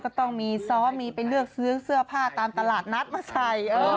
ก็ต้องมีซ้อมมีไปเลือกซื้อเสื้อผ้าตามตลาดนัดมาใส่